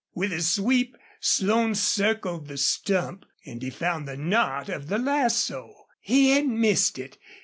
With a sweep Slone circled the stump and he found the knot of the lasso. He had missed it.